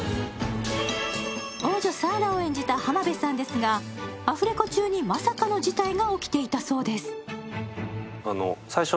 王女サーラを演じた浜辺さんですが、アフレコ中にまさかの事態が起きていたそうです。